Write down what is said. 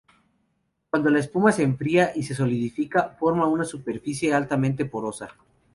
Cuando la espuma se enfría y se solidifica, forma una superficie altamente porosa.